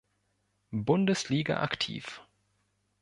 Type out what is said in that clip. Bundesliga aktiv.